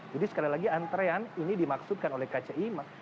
jadi sekali lagi antrean ini dimaksudkan oleh kci